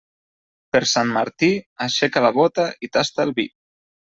Per Sant Martí, aixeca la bóta i tasta el vi.